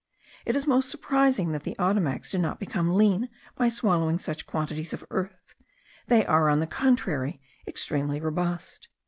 It is most surprising that the Ottomacs do not become lean by swallowing such quantities of earth: they are, on the contrary, extremely robust.